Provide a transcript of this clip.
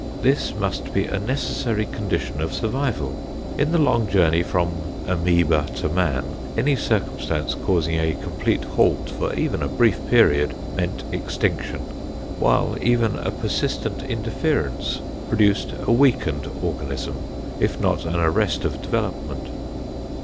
This must be a necessary condition of survival. In the long journey from amoeba to man, any circumstance causing a complete halt for even a brief period meant extinction, while even a persistent interference produced a weakened organism, if not an arrest of development.